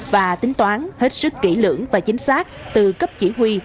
và tính toán hết sức kỹ lưỡng và chính xác từ cấp chỉ huy